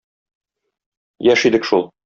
Яшь идек шул...